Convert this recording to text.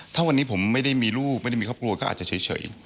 ถ้าวันนี้ผมไม่ได้มีลูกไม่ได้มีครอบครัวก็อาจจะเฉย